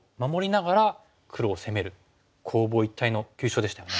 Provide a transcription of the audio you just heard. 攻防一体の急所でしたよね。